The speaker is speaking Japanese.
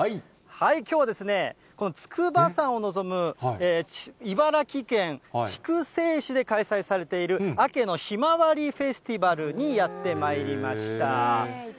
きょうは筑波山を望む茨城県筑西市で開催されている、あけのひまわりフェスティバルにやってまいりました。